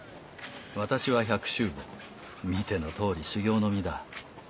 私は百秋坊見ての通り修行の身だ。